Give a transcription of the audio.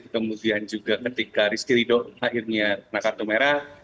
kemudian juga ketika rizky rido akhirnya nakarto merah